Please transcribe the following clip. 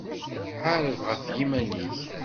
Ḥareb ɣef yiman-ik